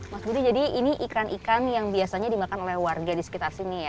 mas budi jadi ini ikan ikan yang biasanya dimakan oleh warga di sekitar sini ya